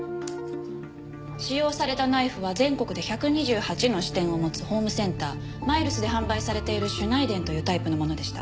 使用されたナイフは全国で１２８の支店を持つホームセンターマイルスで販売されているシュナイデンというタイプのものでした。